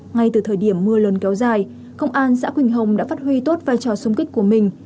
ngay từ thời điểm mưa lớn kéo dài công an xã quỳnh hồng đã phát huy tốt vai trò sung kích của mình